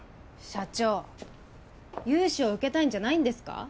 社長融資を受けたいんじゃないんですか？